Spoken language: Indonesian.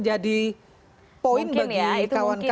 jadi poin bagi kawan kawan juga